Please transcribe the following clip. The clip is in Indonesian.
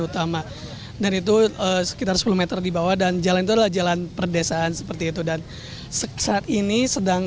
utama dan itu sekitar sepuluh m di bawah dan jalan jalan perdesaan seperti itu dan seksat ini sedang